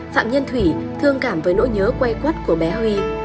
phạm nhân thủy thương cảm với nỗi nhớ quay quất của bé huy